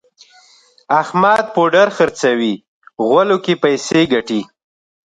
احمد پوډر خرڅوي غولو کې پیسې ګټي.